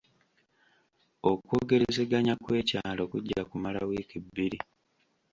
Okwogerezeganya kw'ekyalo kujja kumala wiiki bbiri.